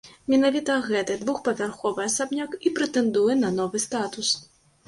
Менавіта гэты двухпавярховы асабняк і прэтэндуе на новы статус.